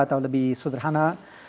atau lebih sederhana